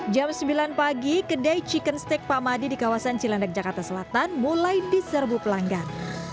jam sembilan pagi kedai chicken steak pamadi di kawasan cilandak jakarta selatan mulai diserbu pelanggan